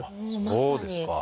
そうですか。